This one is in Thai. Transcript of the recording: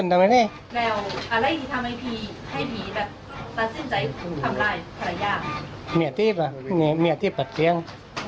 ดังเพลิง